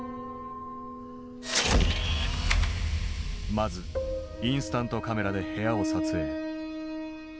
まずインスタントカメラで部屋を撮影。